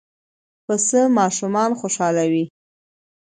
پسه ماشومان خوشحالوي.